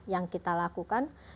yang kita lakukan